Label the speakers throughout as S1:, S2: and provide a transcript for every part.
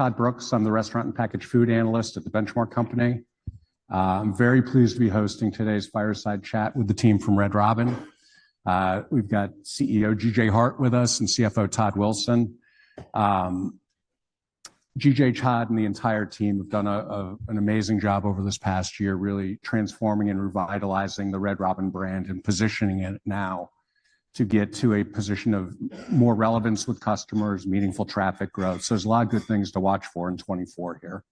S1: Todd Brooks. I'm the restaurant and packaged food analyst at The Benchmark Company. I'm very pleased to be hosting today's fireside chat with the team from Red Robin. We've got CEO G.J. Hart with us and CFO Todd Wilson. G.J., Todd, and the entire team have done an amazing job over this past year, really transforming and revitalizing the Red Robin brand and positioning it now to get to a position of more relevance with customers, meaningful traffic growth. So there's a lot of good things to watch for in 2024 here.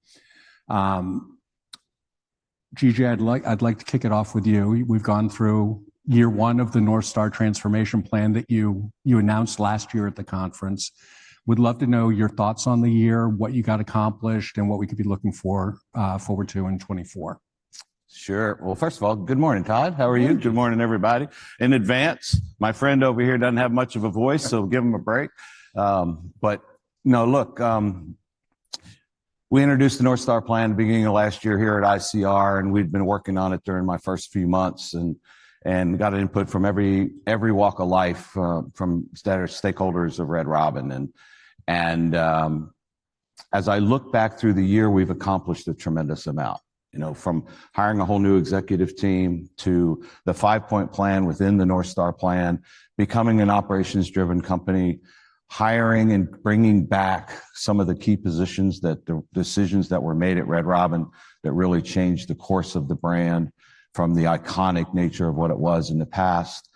S1: G.J., I'd like, I'd like to kick it off with you. We've gone through year one of the North Star transformation plan that you announced last year at the conference. Would love to know your thoughts on the year, what you got accomplished, and what we could be looking forward to in 2024?
S2: Sure. Well, first of all, good morning, Todd. How are you?
S1: Good.
S2: Good morning, everybody. In advance, my friend over here doesn't have much of a voice, so give him a break. But no, look, we introduced the North Star Plan beginning of last year here at ICR, and we'd been working on it during my first few months and got input from every walk of life from stakeholders of Red Robin. As I look back through the year, we've accomplished a tremendous amount. You know, from hiring a whole new executive team to the five-point plan within the North Star Plan, becoming an operations-driven company, hiring and bringing back some of the key positions that the decisions that were made at Red Robin that really changed the course of the brand from the iconic nature of what it was in the past.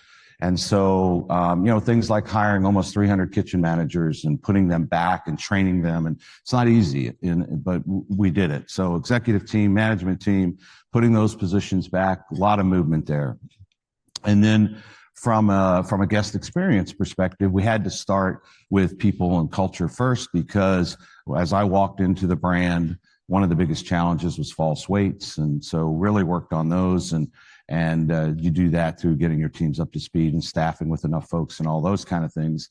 S2: And so, you know, things like hiring almost 300 kitchen managers and putting them back and training them, and it's not easy, but we did it. So executive team, management team, putting those positions back, a lot of movement there. And then from a guest experience perspective, we had to start with people and culture first, because as I walked into the brand, one of the biggest challenges was false waits, and so really worked on those and you do that through getting your teams up to speed and staffing with enough folks and all those kind of things.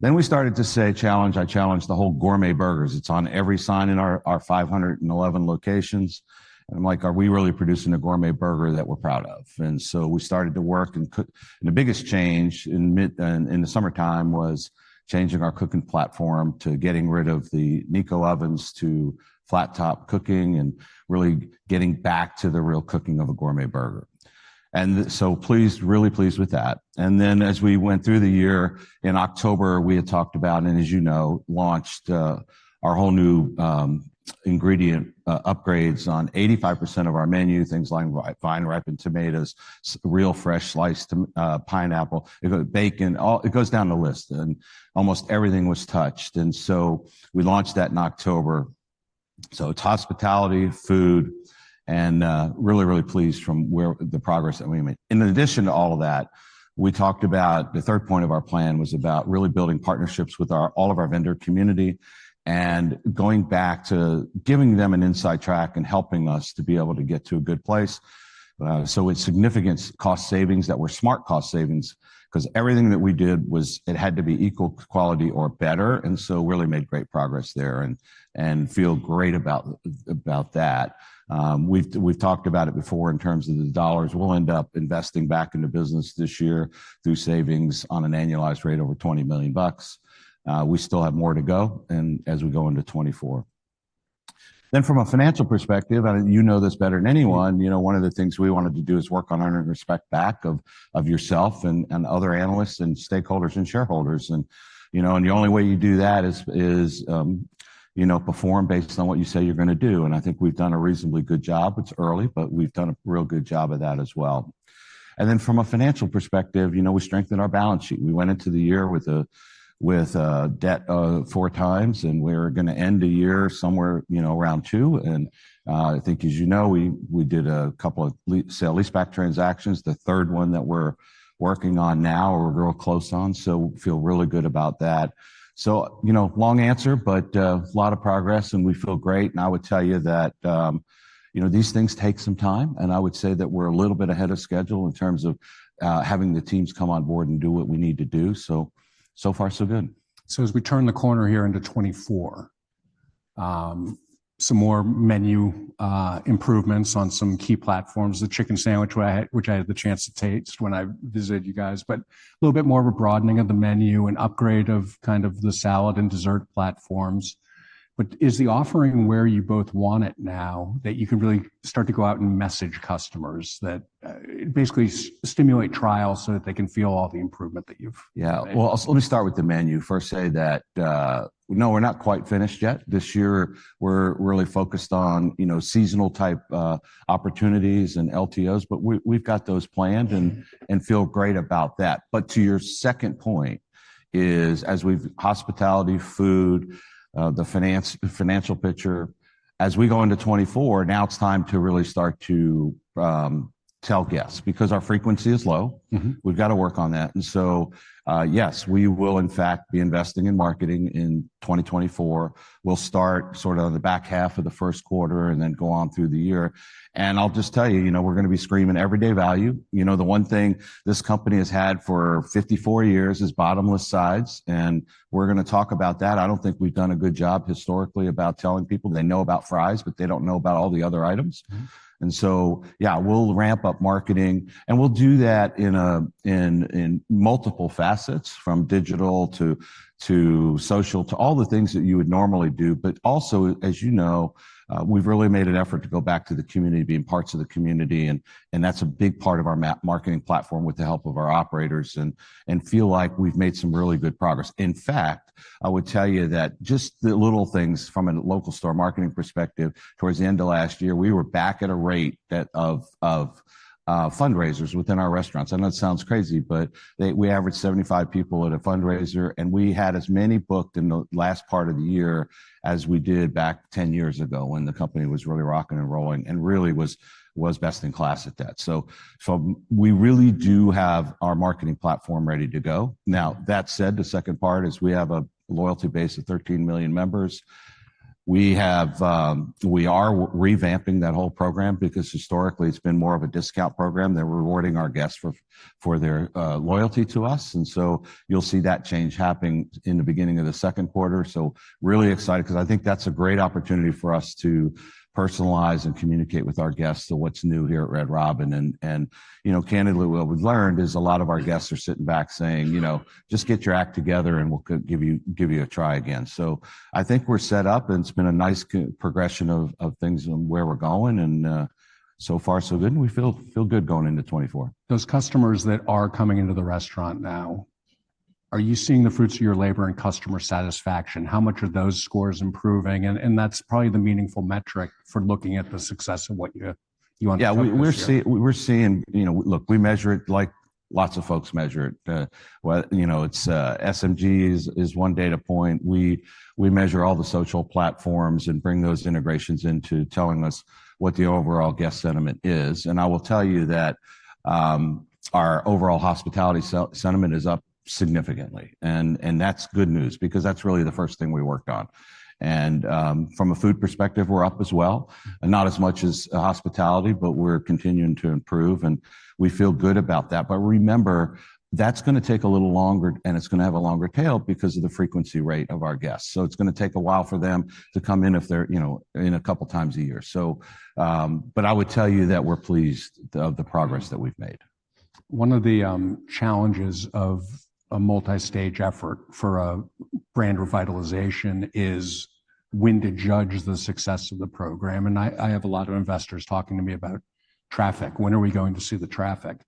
S2: Then we started to say, challenge. I challenged the whole gourmet burgers. It's on every sign in our 511 locations, and I'm like: Are we really producing a gourmet burger that we're proud of? And so we started to work and cook, and the biggest change in midsummer was changing our cooking platform to getting rid of the Nieco ovens, to flat top cooking, and really getting back to the real cooking of a gourmet burger. And so pleased, really pleased with that. And then as we went through the year, in October, we had talked about, and as you know, launched our whole new ingredient upgrades on 85% of our menu, things like vine-ripened tomatoes, real fresh sliced pineapple, bacon, all. It goes down the list, and almost everything was touched. And so we launched that in October. So it's hospitality, food, and really, really pleased from where the progress that we made. In addition to all of that, we talked about the third point of our plan was about really building partnerships with our, all of our vendor community and going back to giving them an inside track and helping us to be able to get to a good place. So with significant cost savings that were smart cost savings, 'cause everything that we did was it had to be equal quality or better, and so really made great progress there and feel great about that. We've talked about it before in terms of the dollars. We'll end up investing back into business this year through savings on an annualized rate, over $20 million. We still have more to go, and as we go into 2024. Then, from a financial perspective, and you know this better than anyone, you know, one of the things we wanted to do is work on earn and respect back of yourself and other analysts and stakeholders and shareholders. You know, the only way you do that is you know, perform based on what you say you're gonna do. And I think we've done a reasonably good job. It's early, but we've done a real good job of that as well. Then from a financial perspective, you know, we strengthened our balance sheet. We went into the year with debt four times, and we're gonna end the year somewhere, you know, around two. I think as you know, we did a couple of sale-leaseback transactions. The third one that we're working on now, we're real close on, so feel really good about that. So, you know, long answer, but, a lot of progress and we feel great. And I would tell you that, you know, these things take some time, and I would say that we're a little bit ahead of schedule in terms of, having the teams come on board and do what we need to do. So, so far, so good.
S1: So as we turn the corner here into 2024, some more menu improvements on some key platforms. The chicken sandwich, which I had, which I had the chance to taste when I visited you guys. But a little bit more of a broadening of the menu and upgrade of kind of the salad and dessert platforms. But is the offering where you both want it now that you can really start to go out and message customers that basically stimulate trial so that they can feel all the improvement that you've-
S2: Yeah. Well, so let me start with the menu. First, say that no, we're not quite finished yet. This year we're really focused on, you know, seasonal type opportunities and LTOs, but we, we've got those planned and feel great about that. But to your second point is, as with hospitality, food, the financial picture, as we go into 2024, now it's time to really start to tell guests, because our frequency is low.
S1: Mm-hmm.
S2: We've got to work on that, and so, yes, we will in fact be investing in marketing in 2024. We'll start sort of the back half of the first quarter and then go on through the year. And I'll just tell you, you know, we're gonna be screaming everyday value. You know, the one thing this company has had for 54 years is bottomless sides, and we're gonna talk about that. I don't think we've done a good job historically about telling people. They know about fries, but they don't know about all the other items.
S1: Mm-hmm.
S2: And so, yeah, we'll ramp up marketing, and we'll do that in multiple facets, from digital to social, to all the things that you would normally do. But also, as you know, we've really made an effort to go back to the community, being parts of the community, and that's a big part of our marketing platform with the help of our operators and feel like we've made some really good progress. In fact, I would tell you that just the little things from a local store marketing perspective, towards the end of last year, we were back at a rate of fundraisers within our restaurants. I know it sounds crazy, but they... We averaged 75 people at a fundraiser, and we had as many booked in the last part of the year as we did back 10 years ago when the company was really rocking and rolling, and really was best in class at that. So, so we really do have our marketing platform ready to go. Now, that said, the second part is we have a loyalty base of 13 million members. We have, we are revamping that whole program because historically it's been more of a discount program than rewarding our guests for their loyalty to us. And so you'll see that change happening in the beginning of the second quarter. So really excited, because I think that's a great opportunity for us to personalize and communicate with our guests on what's new here at Red Robin. You know, candidly, what we've learned is a lot of our guests are sitting back saying, "You know, just get your act together and we'll give you a try again." So I think we're set up, and it's been a nice kind of progression of things and where we're going, and so far, so good, and we feel good going into 2024.
S1: Those customers that are coming into the restaurant now, are you seeing the fruits of your labor and customer satisfaction? How much are those scores improving? And that's probably the meaningful metric for looking at the success of what you want-
S2: Yeah, we're seeing, we're seeing. You know, look, we measure it like lots of folks measure it. Well, you know, it's, SMG's is one data point. We, we measure all the social platforms and bring those integrations into telling us what the overall guest sentiment is. And I will tell you that, our overall hospitality sentiment is up significantly, and that's good news because that's really the first thing we worked on. And, from a food perspective, we're up as well, and not as much as hospitality, but we're continuing to improve, and we feel good about that. But remember, that's gonna take a little longer, and it's gonna have a longer tail because of the frequency rate of our guests. So it's gonna take a while for them to come in if they're, you know, in a couple of times a year. I would tell you that we're pleased of the progress that we've made.
S1: One of the challenges of a multi-stage effort for a brand revitalization is when to judge the success of the program, and I have a lot of investors talking to me about traffic. When are we going to see the traffic?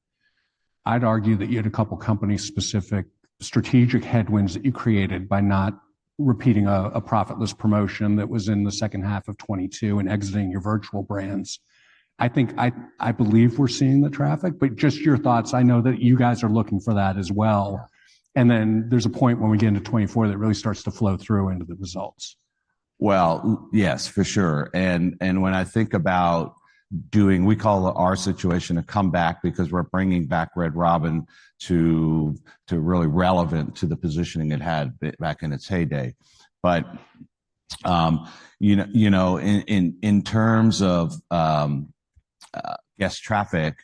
S1: I'd argue that you had a couple company-specific strategic headwinds that you created by not repeating a profitless promotion that was in the second half of 2022 and exiting your virtual brands. I believe we're seeing the traffic, but just your thoughts. I know that you guys are looking for that as well, and then there's a point when we get into 2024 that really starts to flow through into the results.
S2: Well, yes, for sure. And when I think about doing... We call our situation a comeback because we're bringing back Red Robin to really relevant to the positioning it had back in its heyday. But, you know, you know, in terms of guest traffic,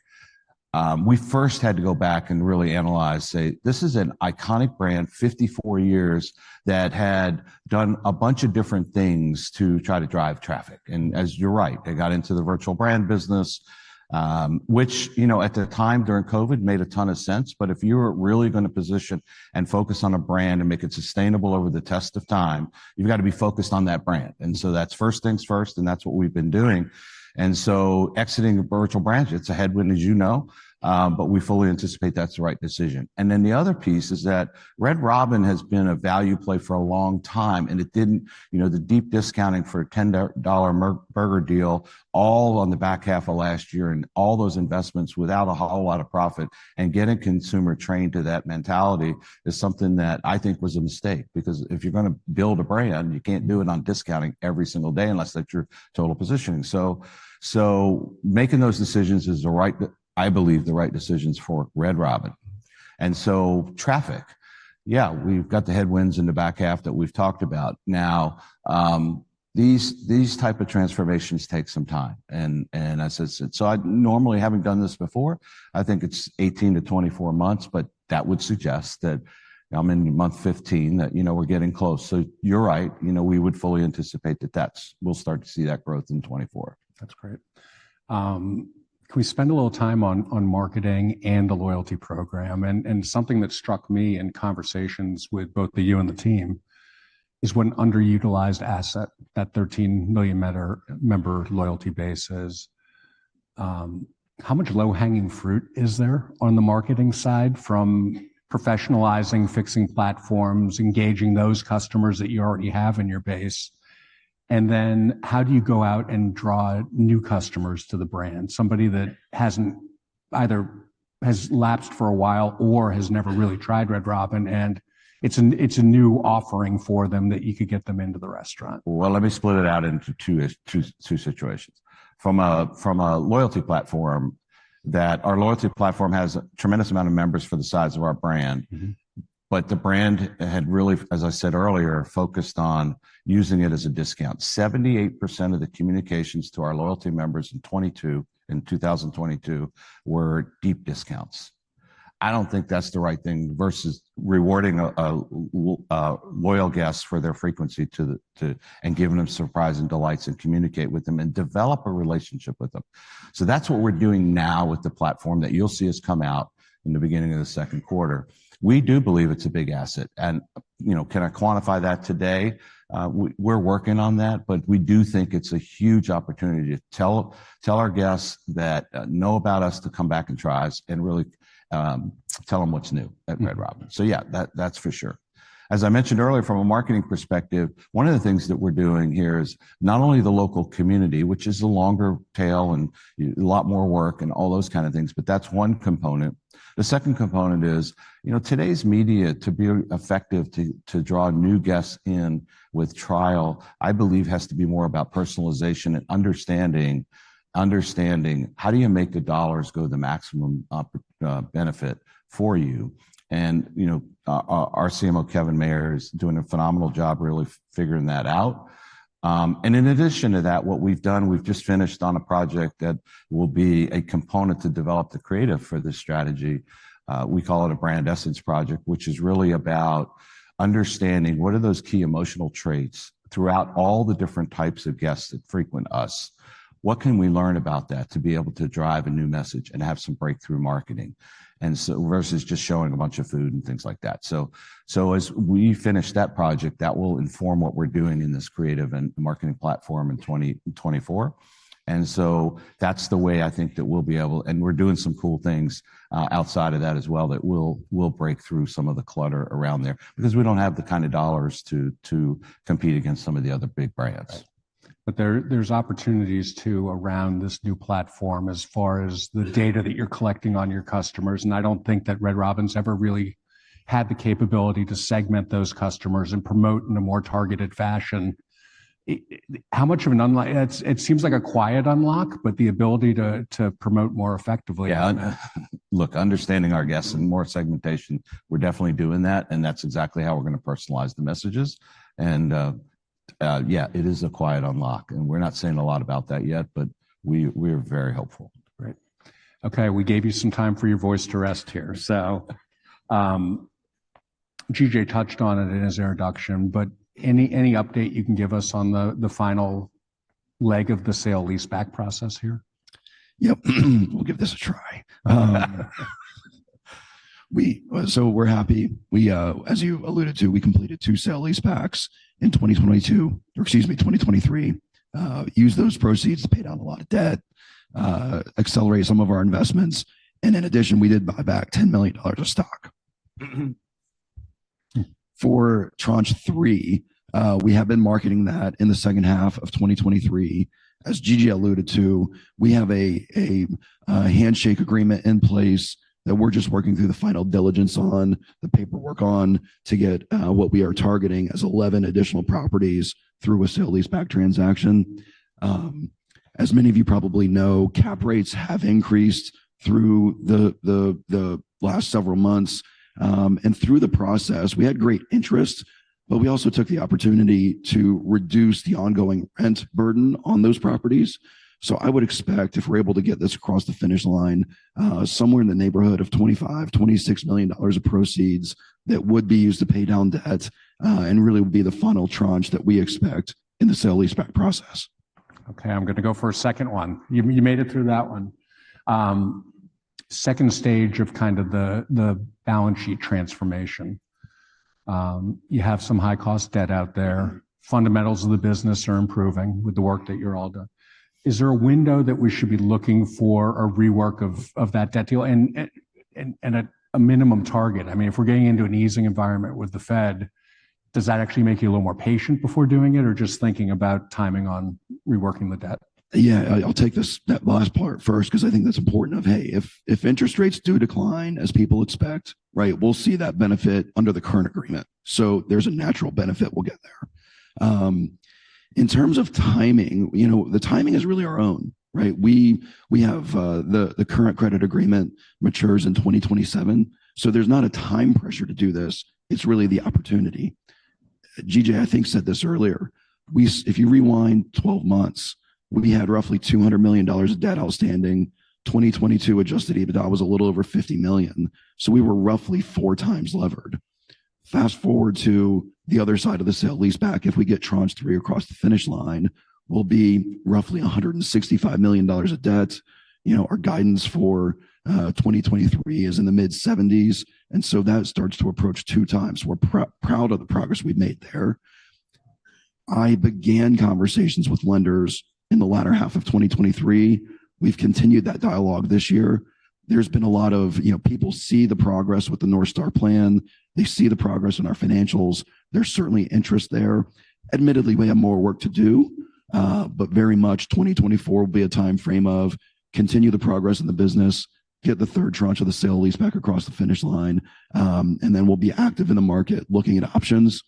S2: we first had to go back and really analyze, say, "This is an iconic brand, 54 years, that had done a bunch of different things to try to drive traffic." And as you're right, they got into the virtual brand business, which, you know, at the time during COVID, made a ton of sense. But if you were really gonna position and focus on a brand and make it sustainable over the test of time, you've got to be focused on that brand. And so that's first things first, and that's what we've been doing. And so exiting the virtual brand, it's a headwind, as you know, but we fully anticipate that's the right decision. And then the other piece is that Red Robin has been a value play for a long time, and it didn't... You know, the deep discounting for a $10 burger deal all on the back half of last year and all those investments without a whole lot of profit, and getting consumer trained to that mentality, is something that I think was a mistake. Because if you're gonna build a brand, you can't do it on discounting every single day unless that's your total positioning. So, so making those decisions is the right, I believe, the right decisions for Red Robin. And so traffic, yeah, we've got the headwinds in the back half that we've talked about. Now, these type of transformations take some time, and as I said, so I normally haven't done this before. I think it's 18-24 months, but that would suggest that I'm in month 15, that, you know, we're getting close. So you're right, you know, we would fully anticipate that, that's. We'll start to see that growth in 2024.
S1: That's great. Can we spend a little time on marketing and the loyalty program? And something that struck me in conversations with both you and the team is what an underutilized asset that 13 million member loyalty base is. How much low-hanging fruit is there on the marketing side, from professionalizing, fixing platforms, engaging those customers that you already have in your base, and then how do you go out and draw new customers to the brand, somebody that hasn't has lapsed for a while or has never really tried Red Robin, and it's a new offering for them that you could get them into the restaurant.
S2: Well, let me split it out into two situations. From a loyalty platform, that our loyalty platform has a tremendous amount of members for the size of our brand.
S1: Mm-hmm.
S2: But the brand had really, as I said earlier, focused on using it as a discount. 78% of the communications to our loyalty members in 2022 were deep discounts. I don't think that's the right thing, versus rewarding a loyal guest for their frequency and giving them surprise and delights, and communicate with them, and develop a relationship with them. So that's what we're doing now with the platform that you'll see us come out in the beginning of the second quarter. We do believe it's a big asset, and, you know, can I quantify that today? We're working on that, but we do think it's a huge opportunity to tell our guests that know about us to come back and try us, and really, tell them what's new at Red Robin.
S1: Mm.
S2: So yeah, that's for sure. As I mentioned earlier, from a marketing perspective, one of the things that we're doing here is not only the local community, which is a longer tail and a lot more work and all those kind of things, but that's one component. The second component is, you know, today's media, to be effective, to draw new guests in with trial, I believe, has to be more about personalization and understanding how do you make the dollars go the maximum benefit for you? And, you know, our CMO, Kevin Mayer, is doing a phenomenal job really figuring that out. And in addition to that, what we've done, we've just finished on a project that will be a component to develop the creative for this strategy. We call it a brand essence project, which is really about understanding what are those key emotional traits throughout all the different types of guests that frequent us? What can we learn about that to be able to drive a new message and have some breakthrough marketing? And so, versus just showing a bunch of food and things like that. So, so as we finish that project, that will inform what we're doing in this creative and marketing platform in 2024. And so that's the way I think that we'll be able... And we're doing some cool things outside of that as well, that we'll, we'll break through some of the clutter around there.
S1: Mm.
S2: Because we don't have the kind of dollars to compete against some of the other big brands.
S1: Right. But there, there's opportunities too, around this new platform as far as-
S2: Yeah
S1: The data that you're collecting on your customers, and I don't think that Red Robin's ever really had the capability to segment those customers and promote in a more targeted fashion. How much of an unlock? It seems like a quiet unlock, but the ability to promote more effectively.
S2: Yeah, look, understanding our guests and more segmentation, we're definitely doing that, and that's exactly how we're going to personalize the messages. Yeah, it is a quiet unlock, and we're not saying a lot about that yet, but we, we're very hopeful.
S1: Great. Okay, we gave you some time for your voice to rest here. So, G.J. touched on it in his introduction, but any update you can give us on the final leg of the sale-leaseback process here?
S3: Yep. We'll give this a try. So we're happy. As you alluded to, we completed two sale-leasebacks in 2022, or excuse me, 2023. Used those proceeds to pay down a lot of debt, accelerate some of our investments, and in addition, we did buy back $10 million of stock. For Tranche Three, we have been marketing that in the second half of 2023. As G.J. alluded to, we have a handshake agreement in place that we're just working through the final diligence on, the paperwork on, to get what we are targeting as 11 additional properties through a sale-leaseback transaction. As many of you probably know, cap rates have increased through the last several months. and through the process, we had great interest, but we also took the opportunity to reduce the ongoing rent burden on those properties. So I would expect, if we're able to get this across the finish line, somewhere in the neighborhood of $25 million-$26 million of proceeds that would be used to pay down debt, and really would be the final tranche that we expect in the sale-leaseback process.
S1: Okay, I'm gonna go for a second one. You, you made it through that one. Second stage of kind of the balance sheet transformation. You have some high-cost debt out there. Fundamentals of the business are improving with the work that you're all doing. Is there a window that we should be looking for a rework of that debt deal, and a minimum target? I mean, if we're getting into an easing environment with the Fed, does that actually make you a little more patient before doing it or just thinking about timing on reworking the debt?
S3: Yeah, I, I'll take this, that last part first, because I think that's important of, hey, if interest rates do decline as people expect, right, we'll see that benefit under the current agreement. So there's a natural benefit we'll get there. In terms of timing, you know, the timing is really our own, right? We, we have, the current credit agreement matures in 2027, so there's not a time pressure to do this. It's really the opportunity. G.J., I think, said this earlier. We. If you rewind 12 months, we had roughly $200 million of debt outstanding. 2022, Adjusted EBITDA was a little over $50 million, so we were roughly 4x levered. Fast forward to the other side of the sale-leaseback. If we get Tranche Three across the finish line, we'll be roughly $165 million of debt. You know, our guidance for 2023 is in the mid-70s, and so that starts to approach 2x. We're proud of the progress we've made there. I began conversations with lenders in the latter half of 2023. We've continued that dialogue this year. There's been a lot of, you know, people see the progress with the North Star Plan. They see the progress in our financials. There's certainly interest there. Admittedly, we have more work to do, but very much 2024 will be a timeframe of continue the progress in the business, get the third tranche of the sale-leaseback across the finish line, and then we'll be active in the market, looking at options.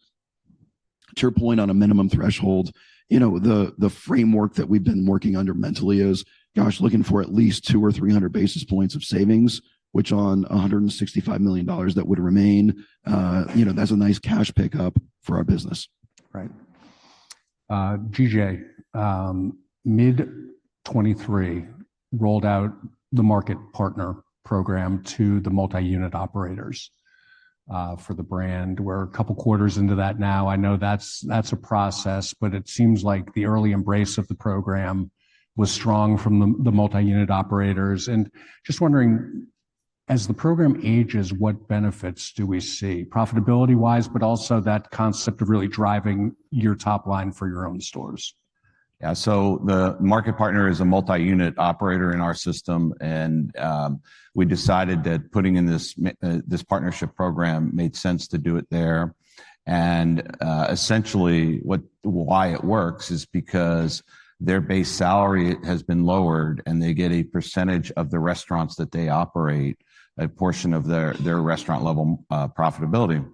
S3: To your point on a minimum threshold, you know, the framework that we've been working under mentally is, gosh, looking for at least 200 or 300 basis points of savings, which on a $165 million that would remain, you know, that's a nice cash pickup for our business.
S1: Right. G.J., mid-2023, rolled out the market partner program to the multi-unit operators for the brand. We're a couple quarters into that now. I know that's a process, but it seems like the early embrace of the program was strong from the multi-unit operators. Just wondering, as the program ages, what benefits do we see profitability-wise, but also that concept of really driving your top line for your own stores?
S2: Yeah. So the market partner is a multi-unit operator in our system, and we decided that putting in this partnership program made sense to do it there. And essentially, why it works is because their base salary has been lowered, and they get a percentage of the restaurants that they operate, a portion of their restaurant-level profitability.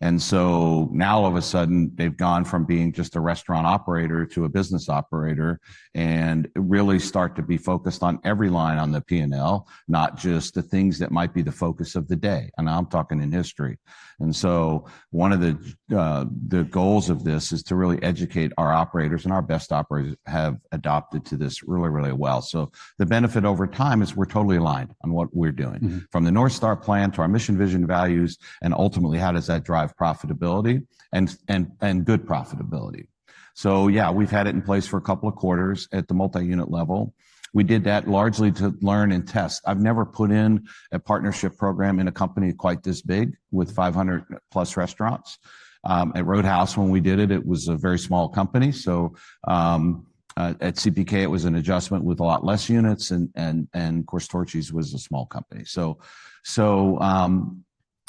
S2: And so now, all of a sudden, they've gone from being just a restaurant operator to a business operator, and really start to be focused on every line on the P&L, not just the things that might be the focus of the day, and I'm talking in history. And so one of the goals of this is to really educate our operators, and our best operators have adopted to this really, really well. The benefit over time is we're totally aligned on what we're doing.
S1: Mm-hmm.
S2: From the North Star Plan to our mission, vision, values, and ultimately, how does that drive profitability and good profitability? So yeah, we've had it in place for a couple of quarters at the multi-unit level. We did that largely to learn and test. I've never put in a partnership program in a company quite this big, with 500+ restaurants. At Roadhouse, when we did it, it was a very small company, so at CPK, it was an adjustment with a lot less units and of course, Torchy's was a small company. So,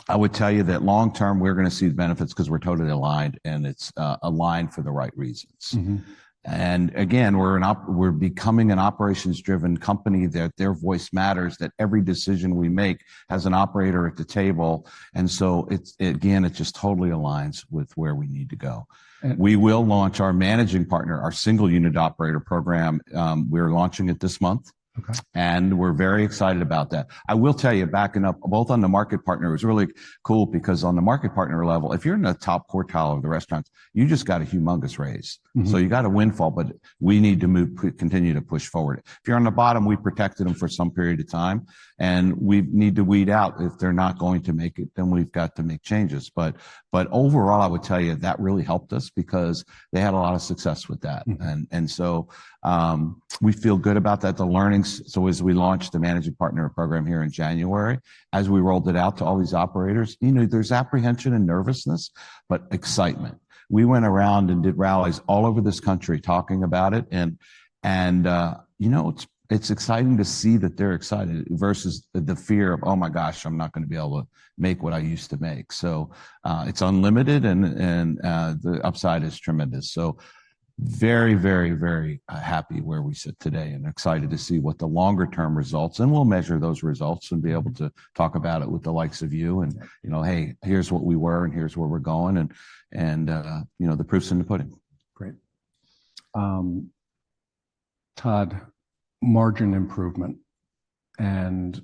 S2: I would tell you that long term, we're gonna see the benefits because we're totally aligned, and it's aligned for the right reasons.
S1: Mm-hmm.
S2: And again, we're becoming an operations-driven company, that their voice matters, that every decision we make has an operator at the table, and so it's again, it just totally aligns with where we need to go.
S1: And-
S2: We will launch our managing partner, our single unit operator program, we're launching it this month.
S1: Okay.
S2: We're very excited about that. I will tell you, backing up, both on the market partner, it was really cool because on the market partner level, if you're in the top quartile of the restaurants, you just got a humongous raise.
S1: Mm-hmm.
S2: So you got a windfall, but we need to move, continue to push forward. If you're on the bottom, we protected them for some period of time, and we need to weed out. If they're not going to make it, then we've got to make changes. But, but overall, I would tell you that really helped us because they had a lot of success with that.
S1: Mm-hmm.
S2: And so, we feel good about that, the learnings. So as we launched the management partner program here in January, as we rolled it out to all these operators, you know, there's apprehension and nervousness, but excitement. We went around and did rallies all over this country, talking about it and, you know, it's exciting to see that they're excited versus the fear of, "Oh my gosh, I'm not gonna be able to make what I used to make." So, it's unlimited and, the upside is tremendous. So very, very, very, happy where we sit today and excited to see what the longer term results, and we'll measure those results and be able to talk about it with the likes of you and, you know, "Hey, here's what we were, and here's where we're going." And, you know, the proof's in the pudding.
S1: Great. Todd, margin improvement, and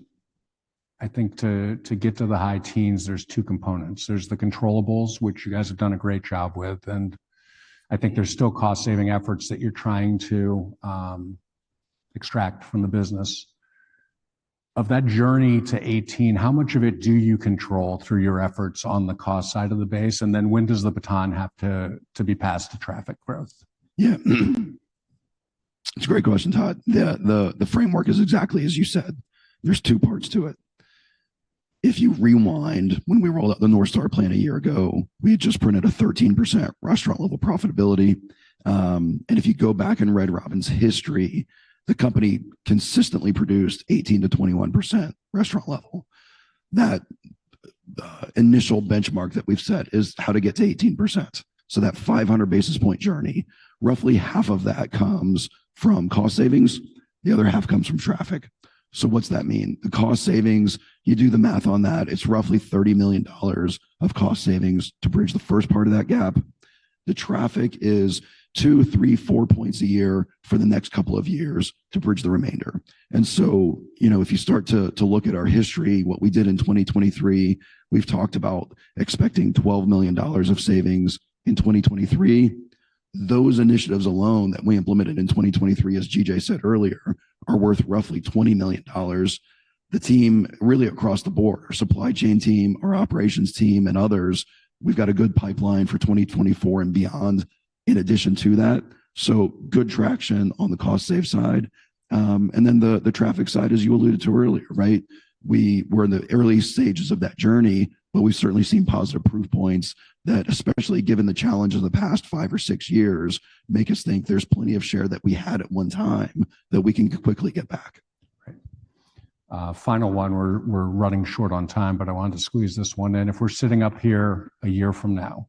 S1: I think to get to the high teens, there's two components. There's the controllables, which you guys have done a great job with, and I think there's still cost-saving efforts that you're trying to extract from the business. Of that journey to 18, how much of it do you control through your efforts on the cost side of the base? And then when does the baton have to be passed to traffic growth?
S3: Yeah. It's a great question, Todd. The framework is exactly as you said. There's two parts to it. If you rewind, when we rolled out the North Star Plan a year ago, we had just printed a 13% restaurant-level profitability. And if you go back and read Red Robin's history, the company consistently produced 18%-21% restaurant-level. That initial benchmark that we've set is how to get to 18%. So that 500 basis point journey, roughly half of that comes from cost savings, the other half comes from traffic. So what's that mean? The cost savings, you do the math on that, it's roughly $30 million of cost savings to bridge the first part of that gap. The traffic is 2, 3, 4 points a year for the next couple of years to bridge the remainder. And so, you know, if you start to look at our history, what we did in 2023, we've talked about expecting $12 million of savings in 2023. Those initiatives alone that we implemented in 2023, as G.J. said earlier, are worth roughly $20 million. The team, really across the board, our supply chain team, our operations team, and others, we've got a good pipeline for 2024 and beyond, in addition to that. So good traction on the cost save side. And then the traffic side, as you alluded to earlier, right? We were in the early stages of that journey, but we've certainly seen positive proof points that, especially given the challenges of the past five or six years, make us think there's plenty of share that we had at one time, that we can quickly get back.
S1: Right. Final one. We're running short on time, but I wanted to squeeze this one in. If we're sitting up here a year from now...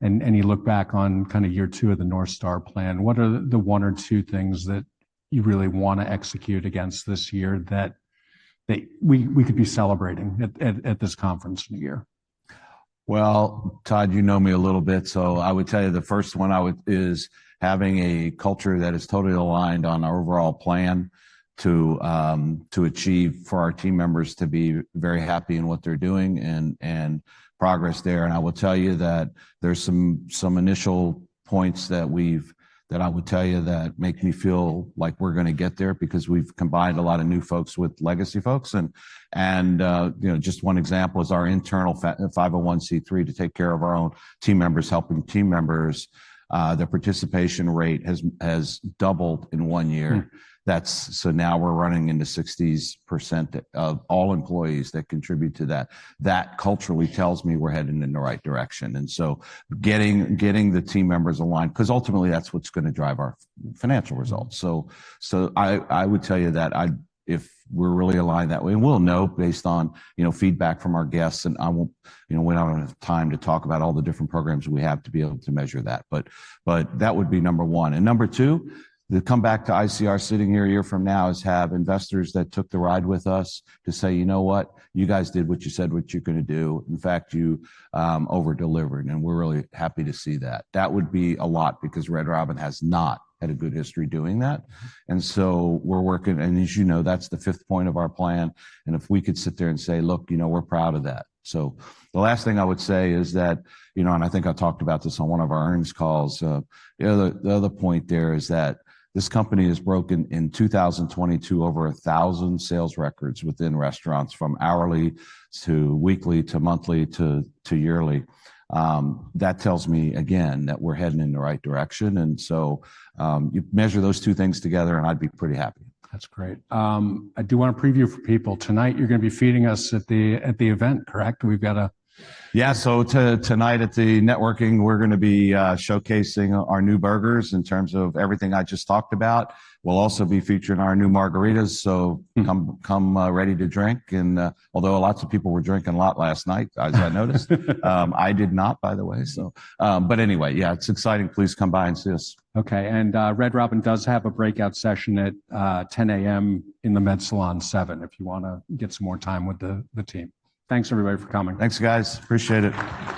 S1: and you look back on kind of year two of the North Star Plan, what are the one or two things that you really want to execute against this year that we could be celebrating at this conference in a year?
S2: Well, Todd, you know me a little bit, so I would tell you the first one is having a culture that is totally aligned on our overall plan to, to achieve for our team members to be very happy in what they're doing and, and, you know, just one example is our internal 501(c)(3), to take care of our own team members, helping team members. The participation rate has doubled in one year.
S1: Hmm.
S2: - so now we're running into 60% of all employees that contribute to that. That culturally tells me we're heading in the right direction. So getting, getting the team members aligned, because ultimately that's what's going to drive our financial results. So, so I, I would tell you that I - if we're really aligned that way, and we'll know based on, you know, feedback from our guests, and I won't - you know, we don't have enough time to talk about all the different programs we have to be able to measure that, but, but that would be number one. And number two, to come back to ICR, sitting here a year from now, is have investors that took the ride with us to say, "You know what? You guys did what you said, what you're going to do. In fact, you over delivered, and we're really happy to see that." That would be a lot because Red Robin has not had a good history doing that, and so we're working, and as you know, that's the fifth point of our plan. And if we could sit there and say, "Look, you know, we're proud of that." So the last thing I would say is that, you know, and I think I talked about this on one of our earnings calls. The other point there is that this company has broken, in 2022, over 1,000 sales records within restaurants, from hourly to weekly, to monthly to yearly. That tells me again that we're heading in the right direction. And so, you measure those two things together, and I'd be pretty happy.
S1: That's great. I do want to preview for people. Tonight, you're going to be feeding us at the event, correct? We've got a-
S2: Yeah. So tonight at the networking, we're going to be showcasing our new burgers in terms of everything I just talked about. We'll also be featuring our new margaritas, so-
S1: Hmm...
S2: come, come, ready to drink. And, although lots of people were drinking a lot last night, as I noticed. I did not, by the way. So, but anyway, yeah, it's exciting. Please come by and see us.
S1: Okay. Red Robin does have a breakout session at 10:00 A.M. in the Mets Salon Seven, if you want to get some more time with the team. Thanks, everybody, for coming.
S2: Thanks, guys. Appreciate it.